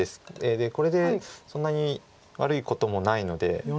でこれでそんなに悪いこともないので。